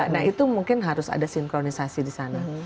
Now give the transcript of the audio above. nah itu mungkin harus ada sinkronisasi di sana